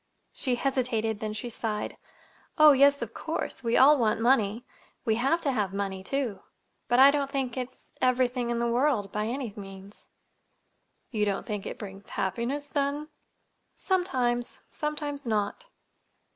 She hesitated; then she sighed. "Oh, yes, of course. We all want money. We have to have money, too; but I don't think it's—everything in the world, by any means." "You don't think it brings happiness, then?" "Sometimes. Sometimes not."